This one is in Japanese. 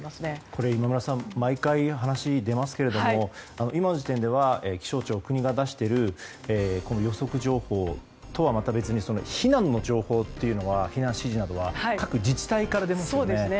これ毎回、話が出ますけど今の時点では気象庁国が出している予測情報とはまた別に避難の情報というのは各自治体から出ますよね。